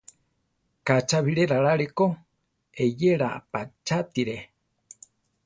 Ka cha biré raláre ko; eyéra apachátire.